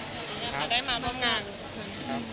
รู้สึกการรูปป้าได้มาท่องงาน